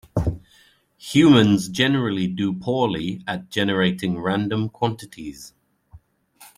Humans generally do poorly at generating random quantities.